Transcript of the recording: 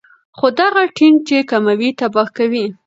خو دغه ټېنک چې کومې تباهۍ کوي